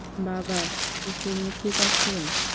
বাবা, তুমি ঠিক আছো?